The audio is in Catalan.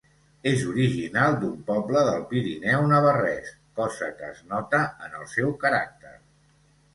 És original d'un poble del Pirineu navarrès, cosa que es nota en el seu caràcter.